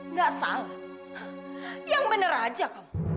nggak salah yang bener aja kamu